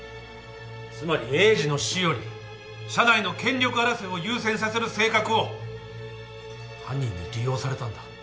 つまり栄治の死より社内の権力争いを優先させる性格を犯人に利用されたんだ。